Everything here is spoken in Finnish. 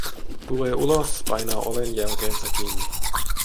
Tulee ulos, painaa oven jälkeensä kiinni.